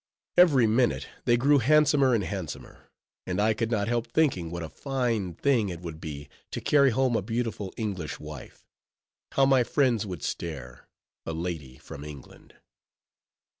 Every minute they grew handsomer and handsomer; and I could not help thinking what a fine thing it would be to carry home a beautiful English wife! how my friends would stare! a lady from England!